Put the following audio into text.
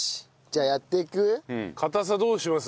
じゃあやっていく？